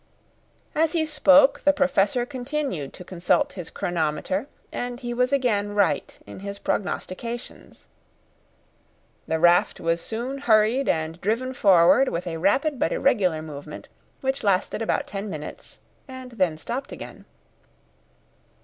As he spoke, the Professor continued to consult his chronometer, and he was again right in his prognostications. The raft was soon hurried and driven forward with a rapid but irregular movement, which lasted about ten minutes, and then stopped again.